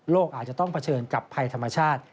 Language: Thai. อาจจะต้องเผชิญกับภัยธรรมชาติ